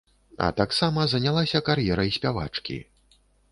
А таксама занялася кар'ерай спявачкі.